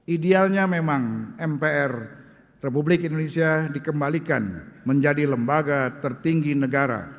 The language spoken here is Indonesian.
idealnya memang mpr republik indonesia dikembalikan menjadi lembaga tertinggi negara